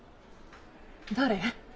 誰？